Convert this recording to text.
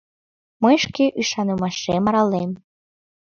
— Мый шке ӱшанымашем аралем.